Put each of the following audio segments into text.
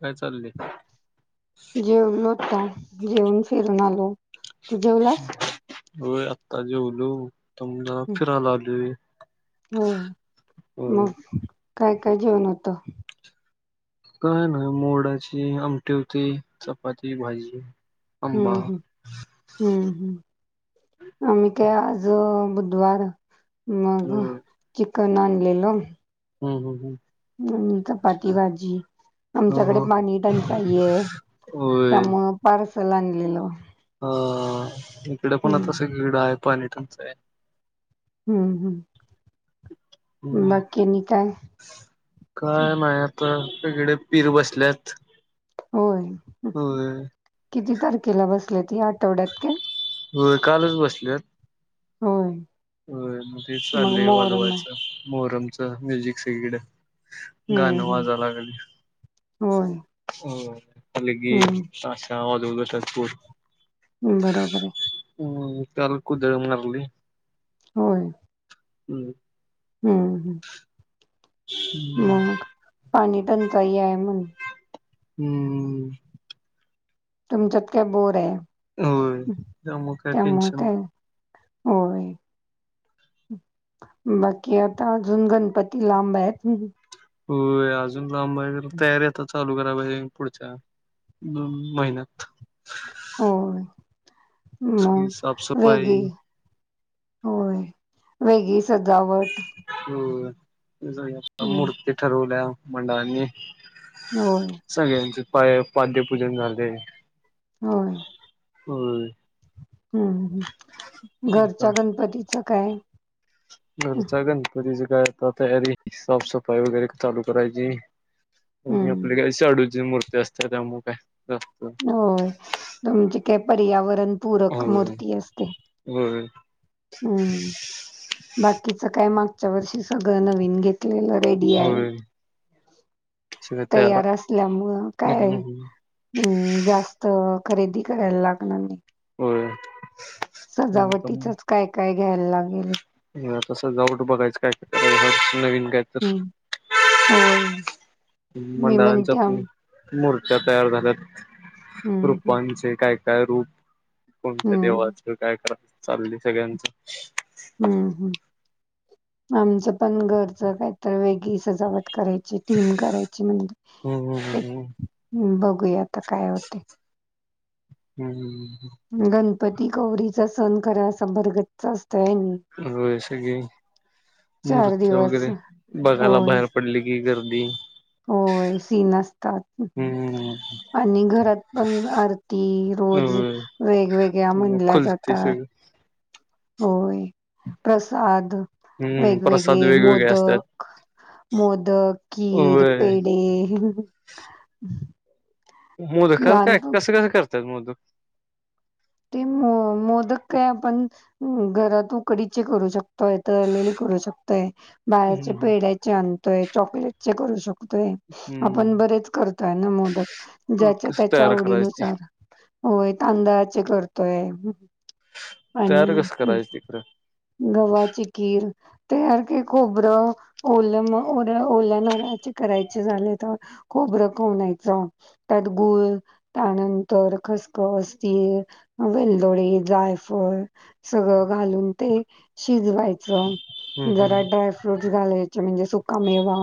काय चाललंय? जेल जेऊन फिरून आलो तू जेवलास होय आत्ता जेवलो तमला हम्म, फिरायला आली होय. ह मग काय काय जेवण होतं काय नाय मोडाची आमटे होते चपाती भाजी हम्म आंबा. हम्म हम्म हम्म आम्ही काय आज बुधवार मग होय की क आनलेल हम् हम हम आणि चपाती भाजी हा आमच्याकडे हा पाणी टंचाई आहे होय त्यामुळ पारस च लागेल ह इकडे पण आता सगळीकडे आहे पाणी टंचाई हम्म हम्म ह बाकी आणि काय? काय नाही आता सगळे पीर बसल्यात होय होय किती तारखेला बसल्यात या आठवड्यात काय होय कालच बसल्यात हो होय मग तेच चाललंय आहे. वाजवायचं मोहरमचं म्युझिक सगळीकड हम्म गाणं हम्म वाजा लागल होय लगे हम्म ताशा वादजपूर बरोबर आहे. त्याल कुदळ मारली होय हम्म हम्म हम् हम्म मग पाणी त्यांचाय ये आय मण हम्म तुमच्यात काय बोराय होय त्यामुळ काय टेन्शन काय नाय होय बाकी आता अजून गणपती लांबयत होय अजून लांब [unintelligible] तयारी यातच चालू कराय पायजे पुढच्या दोन महिन्यात होय सगळी मग साफसफाई वेगळी होय वेगी सजावट होय [unintelligible] हम्म मूर्ती ठरवल्या मंडळांनी होय. [unintelligible] पाय पाद्यपूजन झालय होय हम् हम घरच्या गणपतीचा काय घरच्या गणपती चा तर अता तयारी साफसफाई वगैरे चालू करायची त्यांनी हम्म आपले कडे शाडूची मुर्ती - [unintelligible] त्यामुळ काय जास्त होय तुमची कॅप - पर्यावरण पूरक होय मूर्ती असते होय हम्म बाकीच काय मागच्या वर्षी सगळं नवीन घेत केलेल रेडी आय होय सगळं तयार आहे असल्यामुळ हम्म काय हम्म हम्म अम् जास्त खरेदी करायला लागणार नयी होय मग सजावटीचच काय काय घ्यायला लागेल ह तसं जाऊन बघायचं काय वेगळा विषय नवीन काय तर? हं होय. मी म्हणते आम मंडळांचं. मोर्चा तयार झाल्यात हं, हं, रुपांचे काय, काय रूप- कोणत्या हं, देवाचं काय करायचं? चालू दे सगळ्यांचं. हं, हं. आमचं पण घरचं काहीतर वेगळी सजावट. करायची टीम करायची म्हणजे हम्म हम्म बघ- बघते आता काय होतय. हम्म गं पती गौरीचा सण खरा भरगच्च अस- होस की चार मुर्त्या दिवस वगैरे बघायला होय, बाहेर पडले कि ग- दी होय सीन असतात हम्म आणि घरात पण आरती रोज होय वेगवेगळ्या मग म्हणल्या खुलते जातात. सगळी होय प्रसाद. हम्म वेगवेगळे प्रसाद वेगवेगळे असतात मोदक मोदक खीर होय पेढे. मोदकाच लहान काय कसं कसं करत्यात. [unintelligible] ते घरा तू कडीचे करू शकतोय तळलेली करू शकतोय. बाळाच्या हम्म पेढ्याचे अंत- चॉकलेट चे करू शकतोय आपण हम्म बरेच करतोय मोदक ज्या कसं त्याच्या तयार करायच ते आवडीनुसार होय तांदळा- करतोय. तयार आणि कसं करायच तिकडं गव्हाची खीर. ते घाल खोबरं ओल ओ ओल्या नारळाची करायची झाले तर खोबरं खवनायच त्यात गुळ त्यानंतर खसखस तीळ. वेलदोडे जायफळ सगळं घालून ते शिजवायचं. हम्म जरा ड्राय फ्रुट घालायचे म्हणजे सु- सुकामेवा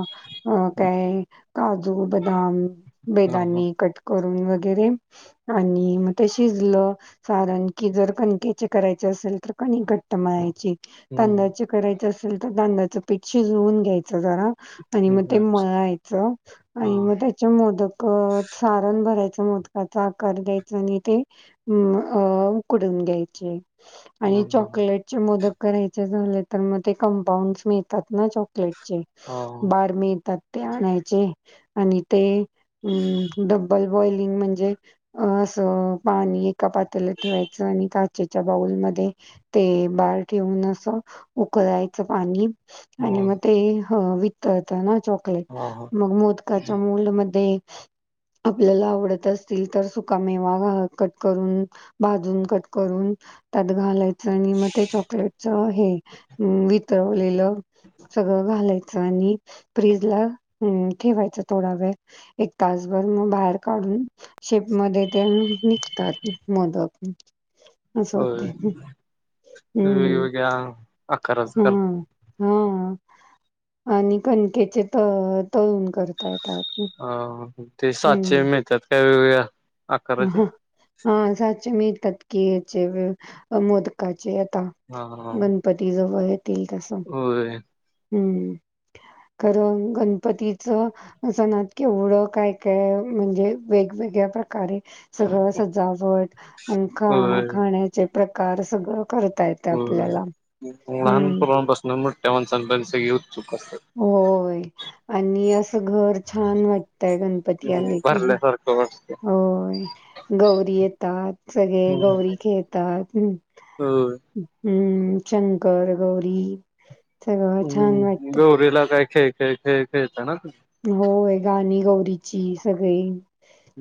अ काय काजू बदाम. हम्म हा हा बेदानी कट करून. वगैरे आणि मग ते शिजलं सारण की जर कणिकेचे करायचे असेल तर कणिक घट्ट मळायची. हम्म तांदळाचे करायच अस- तर तांदळाचं पीठ शिजवून घ्यायंच. आणि मग ठीक ते आहे मळायच हा आणि मग त्याच्या मोदक सारण भरा मोदकाचा आकार द्यायचा आणि ते हम् उकडून घ्यायचे हा आणि चॉकलेटचे मोदक करायचे झाले तर मग ते कंपाऊंडस मिळतात ना चॉकलेट हा बार मिळतात ते आणायचे आणि ते डब्बल बॉईलिंग म्हणजे अस पाणी का पाताला ठेवायचं आणि काचेच्या बाऊलमध्येध्ये ते बार ठेवून असं उकळायचं पाणी हा आणि म ते वितळतं ना चॉकलेट हा हा मग मोदकाच्या मोल्ड आपल्याला आवडत असतील तर सुकामेवा करून भाजून कट करून त्यात घालायच आणि मग ते चॉकलेट च हे विथ वितळवलेलं सगळं घालायचं आणि फ्रीज ला ठेवायचं थोडा वेळ एक तासभर मग बाहेर काढून शेप मध्ये ते निघतात मोदक असं हो होते हम्म वेगवेेगळ्या आकारच हा करता हा आणि कणकेचे त तळून करता येतात [unintelligible] ते साचे मिळतात [unintelligible] ह हा हा साचे मिळतात की ह्याचे मोदकाचे हा हा गणपती जवळ येत आहेत होय [unintelligible] हम्म कारण गणपतीच सणात केवढं काय काय म्हणजे वेगवेगळ्या प्रकारे सगळं सजाव सजावट आणि होय खाण्याचे प्रकार सगळं करता येतं होय आपल्याला. लहान हं. मुलांपासून मोठ्या माणसा [unintelligible] होय आणि असं घर छान वाटतय गणपती हम्म आले की भरल्यासारखं वाटतं होय गौरी येतात सगळे हम्म गौरी खेळतात होय हम् शंकर गौरी सगळं छान हम्म वाट गौरीला काय खेळ खेळ खेळ खेळता ना तुम्ही होय गाणी गौरीची सगळी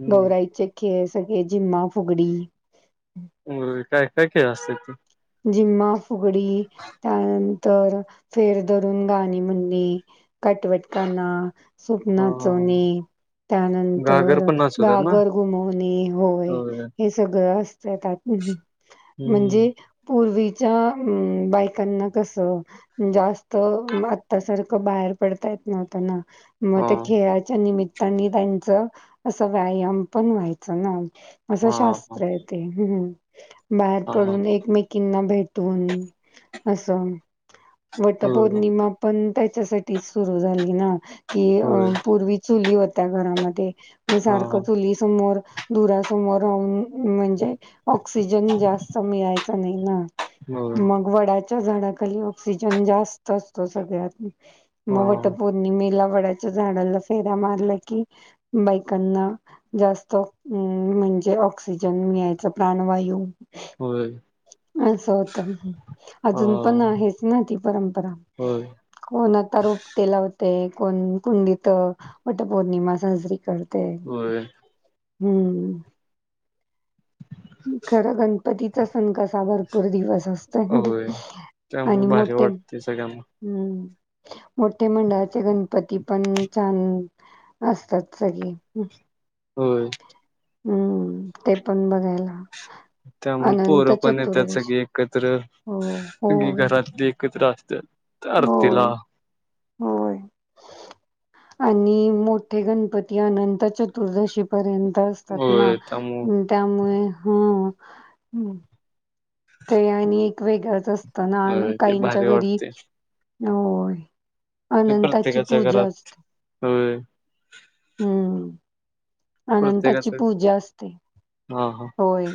हम्म गौराईचे केस सगळे झिम्मा फुगडी होय काय काय खेळ असत्यात ती झिम्मा फुगडी त्यानंतर तर फेर धरून गाणी म्हणणे काटवट काना सूप हा नाचवणे घागर त्यानंतर पण नाचवतात ना? गागर घुमवणे होय हे सगळं असत त्यात हम्म म्हणजे पूर्वीच्या बायकांना कसं जास्त आत्तासारखं बाहेर पडता येत नव्हत ना म हा त्या खेळाच्या निमित त्यांनी त्यांच असं व्यायाम पण व्हायचं नात असं हा हा शास्त्र येत ह [inaudible] बाहेर हा हा पडून एकमेक ना भेटून असं होय वटापौर्णिमा पण त्याच्यासाठी सुरु झाली ना कि अ होय पूर्वी चुली होती त्या घरामध्ये मग हा सारखं हा चुली समोर दुरासमोर राहून म्हणजे ऑक्सिजन जास्त मिळायच नाही ना होय मग वडा च्या झाडाखाली ऑक्सिजन जास्त असतो सगळ्यात हा मवटपूर् निमेला वड्याच्या झाडाला फेरा मारला की बायकांना जास्त म्हणजे ऑक्सिजन मिळायच प्राणवायू हो असं होत अजून पण आहेच ना ती परंपरा होय कोण आता रोपटे लावते कोण कुंडीत वटपौर्णिमा साजरी करत हो हम्म खर घण पतीचा सण कसा भरपूर दिवस असतो होय त्यामुळे आणि भारी मोठे वाटते सगळ्यांना हम्म मोठे मंडळाचे गणपती पण छान असतात सगळे होय हम्म ते पण बघायला ह त्यामुळ पोरं पण येत्यातर एक सगळी एकत्र हो सगळी होय घरातली एकत्र असता तर अरतीला होय होय आणि मोठे गणपती अनंत चतुर्दशी पर्यंत असतात ना होय त्यामुळं त्यामुळे हो हम्म. ते आणि एक वेगळाच असता ना होय ते काहींच्या भारी घरी वाटते होय. ते अनंताची प्रत्येकाच्या पूजा घरात असते होय हम्म प्रत्येकाच अनंताची पूजा असते हा हा होय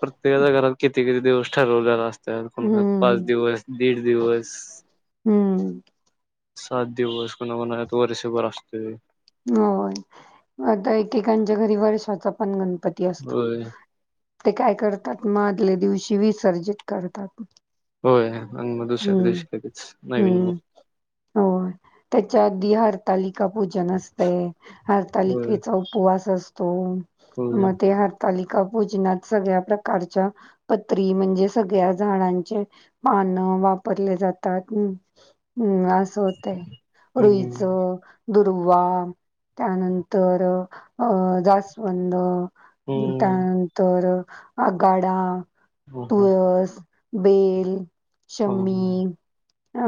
प्रत्येकाच्या घरात किती दिवस ठरवलेला अस तर कोणाचा हम्म पाच दिवस दीड दिवस हम्म सात दिवस कोणा कोणाच्यात वर्षभर असतोय होय आता एकेकांच्या घरी वर्षाचा पण गणप होय. ते काय करतात म आदल्या दिवशी विसर्जित करतात होय आणि मग दुसऱ्या हम्म दिवशी लगेच नवीन मग. हम्म हो त्याच्या अदि हरतालिका पूजन न [unintelligible] होय हरतालिकेचा उपवास असतो होय मग ते हरतालिका पूजनात सगळ्या प्रकारच्या पत्री म्हणजे सगळ्या झाडांचे पान वापरले जातात अम अम होतय रुईच हम्म दुर्वा त्यानंतर अ जास्वंद हम्म त्यानंतर अगाडा हो हो. बेल अ शमी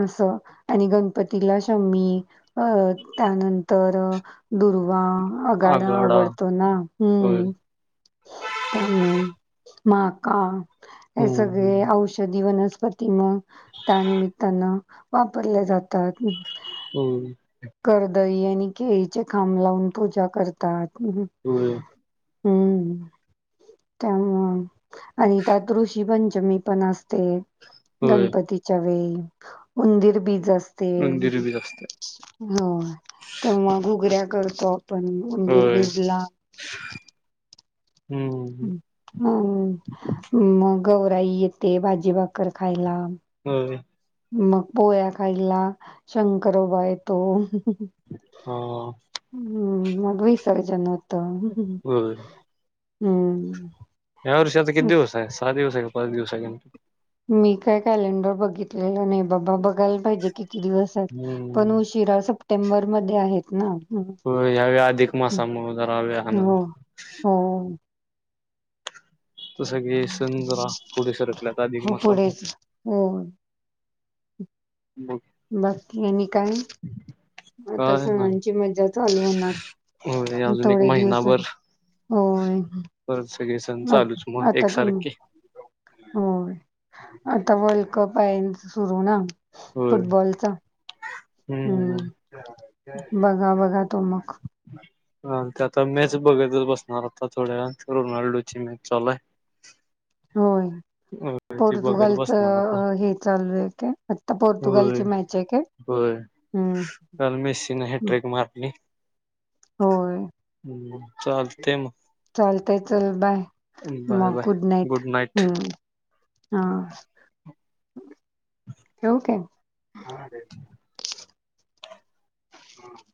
असं आणि गणपतीला शमी अ त्यानंतर [unintelligible] दुर्वा, आगाडा आवडतो ना होय हम्म त्यामुळ माका हे हम्म हम्म. सगळे औषधी वनस्पती वनस्पती मग त्यानमित्तान वापरल्या जातात होय. करदई आणि केळीचे खांब लावून पूजा करतात [unintelligible] होय हम्म त्यामुळ आणि त्यात ऋषीपंच मी पण असते होय गणपतीच्या वेळी उंदिर बीज असते. उंदीरबीज असते हो तेव्हा घुगऱ्या करतो आपण पण होय उंदीरबिज ला हम्म हम् हम मग गौराई येते भाजी भाकर खायला होय मग पोया खाईला शंकरोबा येतो हा हम्म मग विसर्जन होत त [inaudible] होय हम्म या वर्षी आता किती दिवस हाय सहा दिवस हाय पाच दिवस आहे गणपती मी काय कॅलेंडर बघितलेलं नाही बाबा बघते बघाय पाहिजे किती दिवस पण हम्म उशीिरा सप्टेंबरमध्येध्ये आहेत ना हम्म, हो यावेळी अधिक हम्म. मासामुळे जरा वेळान हो हो सगळे सण जरा पुढ सरकल्यात हो अधिकमासामुळे ह् [unintelligible] बाकी आणि काय आता काय नाही. सणांची मज्जा चालू होय होणार अजून एक थोडे दिवसात महिनाभर होय परत सगळे सण आ चालूच मग आता त एकसारखे. हो आता वर्ल्ड कप आहे सुरू ना होय फुटबॉलचा हम्म हम्म बगा बघा तुमग हा ते आता मॅच बघयतच बसणार आता थोड्या व रोनाल्डोची मॅच चालूय हो पोर्तुगालच बसणार आता हे चालू आहे का आता होय पोर्तुगालची मॅच आहे का होय हम् काल मेस्सीनं हॅट्रिक मारली. होय हम्म चालतंय चालत चल बाय मग गुड नाईट हम्म हा केव केम हा अरे ह